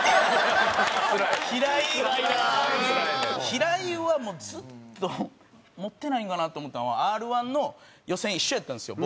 平井はもうずっと持ってないんかなって思ったんはＲ−１の予選一緒やったんですよ